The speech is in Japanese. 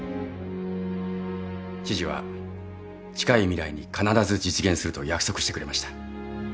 知事は近い未来に必ず実現すると約束してくれました。